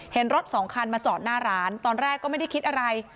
เห็นรถสองคันมาจอดหน้าร้านตอนแรกก็ไม่ได้คิดอะไร